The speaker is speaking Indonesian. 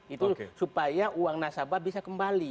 itu supaya uang nasabah bisa kembali